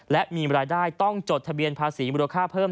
และมีรายได้ต้องจดทะเบียนภาษีมูลค่าเพิ่ม